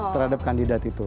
terhadap kandidat itu